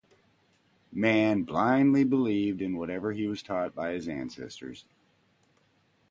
Man blindly believed in whatever he was taught by his ancestors.